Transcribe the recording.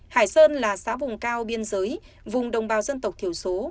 hải sơn là xã vùng cao biên giới vùng đồng bào dân tộc thiểu số